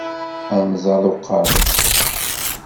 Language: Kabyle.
Anẓad uqerru.